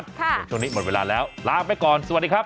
สวัสดีละครับ